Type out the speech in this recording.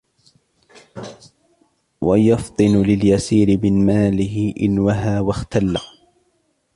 وَيَفْطِنُ لِلْيَسِيرِ مِنْ مَالِهِ إنْ وَهَى وَاخْتَلَّ